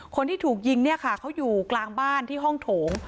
คนที่ถูกยิงเนี่ยค่ะเขาอยู่กลางบ้านที่ห้องโถง